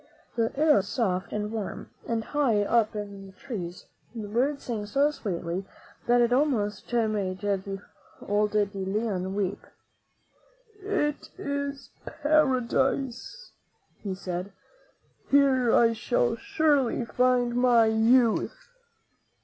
The air was soft and warm, and high up in the trees the birds sang so sweetly that it almost made the old De Leon weep. "It is Paradise," he said; "here I shall surely find my youth."